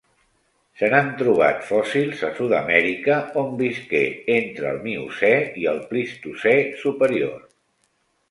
Se n'han trobat fòssils a Sud-amèrica, on visqué entre el Miocè i el Plistocè superior.